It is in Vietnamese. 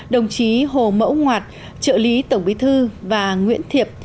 đồng chí hồ mẫu ngoạt trợ lý tổng bí thư và nguyễn thiệp